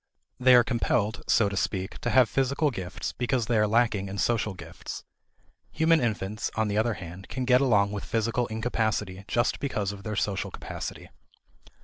They are compelled, so to speak, to have physical gifts because they are lacking in social gifts. Human infants, on the other hand, can get along with physical incapacity just because of their social capacity.